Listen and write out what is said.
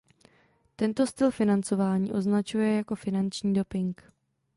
Tento styl financování označuje jako „finanční doping“.